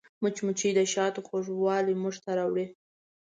مچمچۍ د شاتو خوږوالی موږ ته راوړي